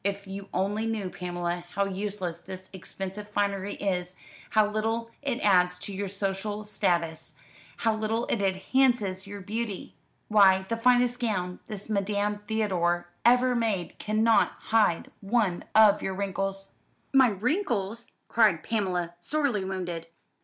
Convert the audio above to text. If you only knew, Pamela, how useless this expensive finery is, how little it adds to your social status, how little it enhances your beauty! Why, the finest gown this Madame Theodore ever made cannot hide one of your wrinkles." "My wrinkles!" cried Pamela, sorely wounded.